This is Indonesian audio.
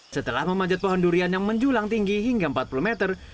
setelah memanjat pohon durian yang menjulang tinggi hingga empat puluh meter